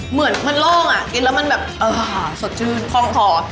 เหมือนมันโล่งอ่ะกินแล้วมันแบบเออสดชื่นคล่องคอ